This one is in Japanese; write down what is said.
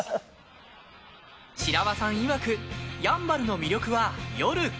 白輪さんいわくやんばるの魅力は夜。